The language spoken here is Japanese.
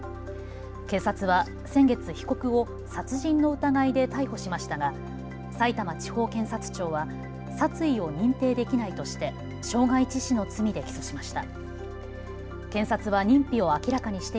警察は先月被告を殺人の疑いで逮捕しましたがさいたま地方検察庁は殺意を認定できないとして傷害致死の罪で起訴しました。